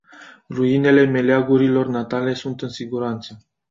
Ruinele meleagurilor natale sunt în siguranță.